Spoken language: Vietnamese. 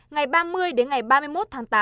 ngày ba mươi đến ngày ba mươi một tháng tám